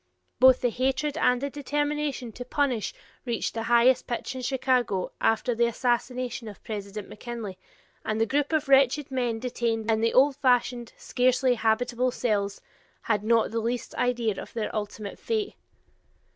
Both the hatred and the determination to punish reached the highest pitch in Chicago after the assassination of President McKinley, and the group of wretched men detained in the old fashioned, scarcely habitable cells, had not the least idea of their ultimate fate.